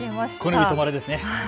この指とまれですね。